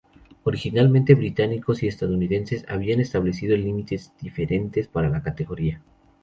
Originalmente británicos y estadounidenses habían establecido límites diferentes para la categoría.